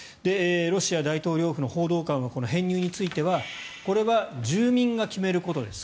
ロシア大統領府の報道官はこの編入についてはこれは住民が決めることです